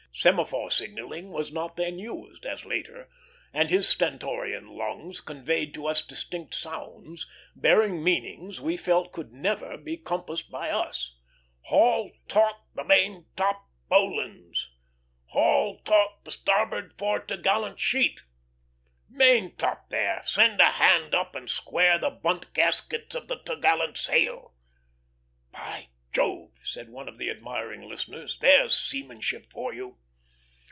Semaphore signalling was not then used, as later; and his stentorian lungs conveyed to us distinct sounds, bearing meanings we felt could never be compassed by us. "Haul taut the main top bowlines!" "Haul taut the starboard fore topgallant sheet." "Maintop, there! Send a hand up and square the bunt gaskets of the topgallant sail!" "By Jove!" said one of the admiring listeners, "there's seamanship for you!"